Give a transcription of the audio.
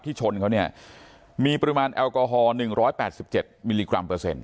ที่ชนเขาเนี่ยมีปริมาณแอลกอฮอล์หนึ่งร้อยแปดสิบเจ็ดมิลลิกรัมเปอร์เซ็นต์